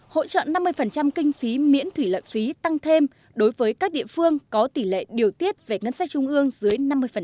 hỗ trợ năm mươi kinh phí miễn thủy lợi phí tăng thêm đối với các địa phương có tỷ lệ điều tiết về ngân sách trung ương dưới năm mươi